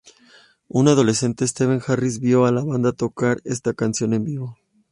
Un adolescente Steve Harris vio a la banda tocar esta canción en vivo.